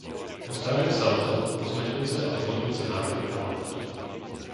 Postarajú sa o to pozmeňujúce a doplňujúce návrhy Parlamentu.